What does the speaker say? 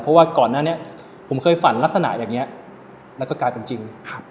เพราะว่าก่อนหน้านี้ผมเคยฝันลักษณะอย่างนี้แล้วก็กลายเป็นจริง